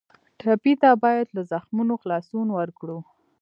ټپي ته باید له زخمونو خلاصون ورکړو.